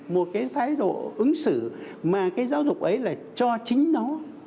một cái thái độ ứng xử mà cái giáo dục ấy là cho chính nó